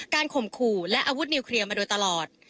ข่มขู่และอาวุธนิวเคลียร์มาโดยตลอด